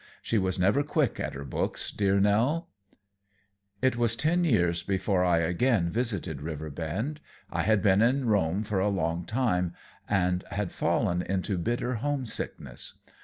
She was never quick at her books, dear Nell. It was ten years before I again visited Riverbend. I had been in Rome for a long time, and had fallen into bitter homesickness.